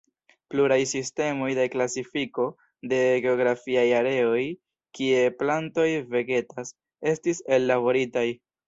Pluraj sistemoj de klasifiko de geografiaj areoj kie plantoj vegetas, estis ellaboritaj.